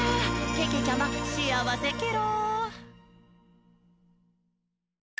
けけちゃま、しあわせケロ！」